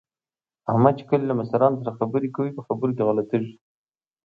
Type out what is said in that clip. احمد چې کله له مشرانو سره خبرې کوي، په خبرو کې غلطېږي